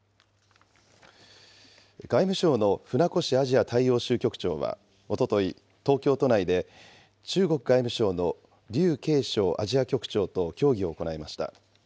外務省の船越アジア大洋州局長は、おととい、東京都内で中国外務省の劉勁松アジア局長と協議を行いました。